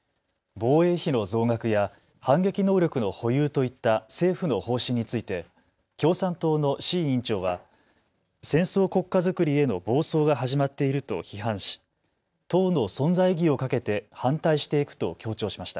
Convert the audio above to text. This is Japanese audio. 防衛費の増額や反撃能力の保有といった政府の方針について共産党の志位委員長は戦争国家づくりへの暴走が始まっていると批判し党の存在意義をかけて反対していくと強調しました。